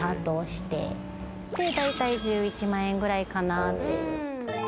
で大体１１万円ぐらいかなっていう。